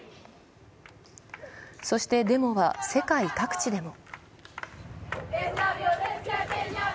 そしてデモは世界各地でも。